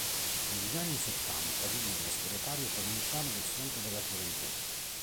Negli anni settanta diviene segretario provinciale del Fronte della Gioventù.